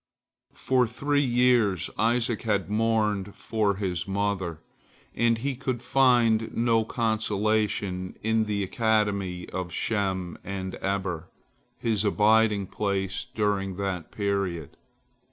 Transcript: For three years Isaac had mourned for his mother, and he could find no consolation in the academy of Shem and Eber, his abiding place during that period.